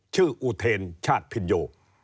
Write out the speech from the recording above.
ชื่ออุเทรชาติพิไนโย